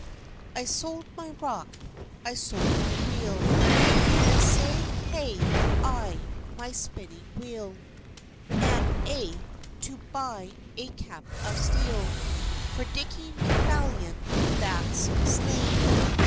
I sold my rock, I sold my reel, And sae hae I my spinning wheel, And a' to buy a cap of steel For Dickie Macphalion that's slain!